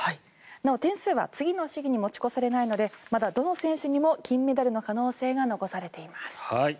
なお、点数は次の試技に持ち越されないのでまだどの選手にも金メダルの可能性が残されています。